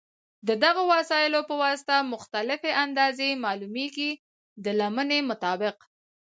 د دغو وسایلو په واسطه مختلفې اندازې معلومېږي د لمنې مطابق.